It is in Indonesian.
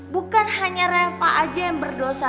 bukan hanya reva aja yang berdosa